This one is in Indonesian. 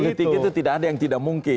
politik itu tidak ada yang tidak mungkin